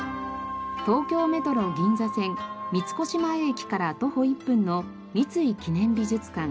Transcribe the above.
東京メトロ銀座線三越前駅から徒歩１分の三井記念美術館。